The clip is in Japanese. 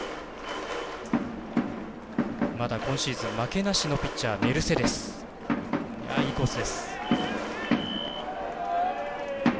まだ今シーズン負けなしのピッチャーメルセデス。